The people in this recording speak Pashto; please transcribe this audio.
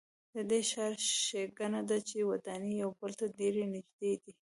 د دې ښار ښېګڼه ده چې ودانۍ یو بل ته ډېرې نږدې دي.